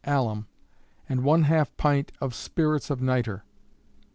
alum, and ½ pint of spirits of nitre.